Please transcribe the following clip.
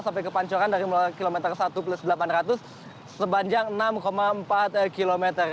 sampai ke pancoran dari kilometer satu plus delapan ratus sepanjang enam empat km